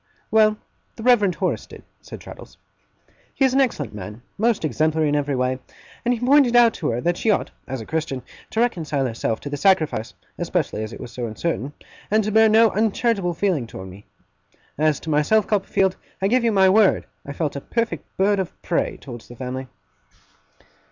'Well, the Reverend Horace did,' said Traddles. 'He is an excellent man, most exemplary in every way; and he pointed out to her that she ought, as a Christian, to reconcile herself to the sacrifice (especially as it was so uncertain), and to bear no uncharitable feeling towards me. As to myself, Copperfield, I give you my word, I felt a perfect bird of prey towards the family.